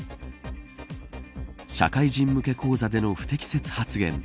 社会人向け講座での不適切発言